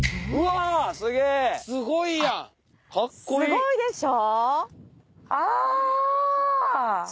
すごいでしょ？あ！